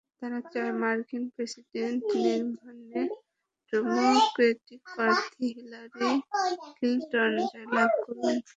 তারা চায়, মার্কিন প্রেসিডেন্ট নির্বাচনে ডেমোক্রেটিক প্রার্থী হিলারি ক্লিনটন জয়লাভ করুক।